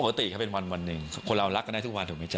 ก็เป็นวันหนึ่งคนเรารักกันได้ทุกวันถูกไหมจ๊